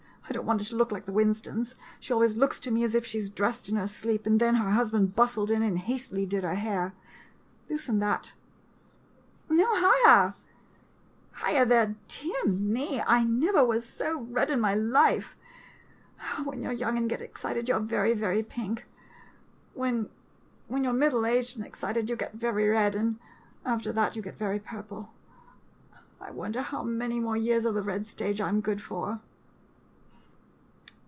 I don't want it to look like the Winston's. She always looks to me as if she dressed in her sleep, and then her husband bustled in and hastily did her hair. Loosen that — no higher — 16 A MODERN BECKY SHARP there! Dear me, I never was so red in my life ! When you 're young and get excited, you 're very, very pink — when, you 're mid dle aged and excited, you get very red, and after that you get very purple. I wonder how many more years of the red stage I 'm good for!